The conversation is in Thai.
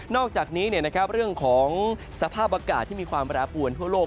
อกจากนี้เรื่องของสภาพอากาศที่มีความแปรปวนทั่วโลก